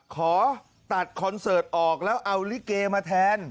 ขอตัดคอนเสิร์ตออกแล้วเอาลิเกมาแทน